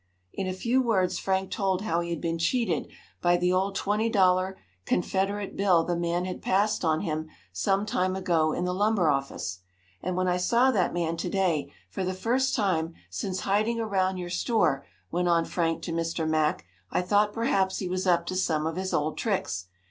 In a few words Frank told how he had been cheated by the old twenty dollar Confederate bill the man had passed on him some time ago, in the lumber office. "And when I saw that man, to day, for the first time since, hiding around your store," went on Frank to Mr. Mack, "I thought perhaps he was up to some of his old tricks.